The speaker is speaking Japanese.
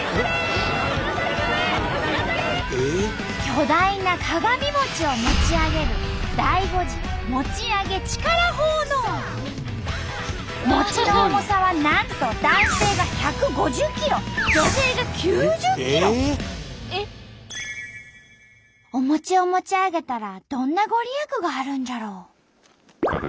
巨大な鏡餅を持ち上げる餅の重さはなんとお餅を持ち上げたらどんな御利益があるんじゃろう？